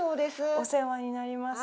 お世話になります。